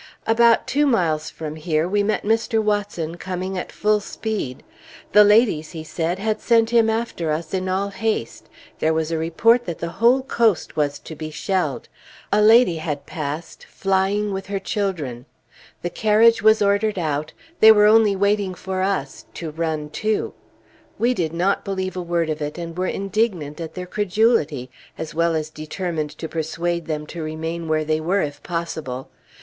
About two miles from here, we met Mr. Watson coming at full speed. The ladies, he said, had sent him after us in all haste; there was a report that the whole coast was to be shelled; a lady had passed, flying with her children; the carriage was ordered out; they were only waiting for us, to run, too. We did not believe a word of it, and were indignant at their credulity, as well as determined to persuade them to remain where they were, if possible.